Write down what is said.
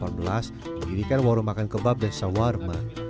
menjadikan warung makan kebab dan sawah remak